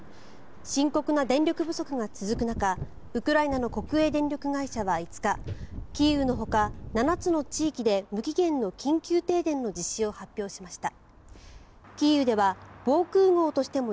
深刻な電力不足が続く中ウクライナの国営電力会社は５日キーウのほか７つの地域で無期限の緊急停電の実施を発表しました。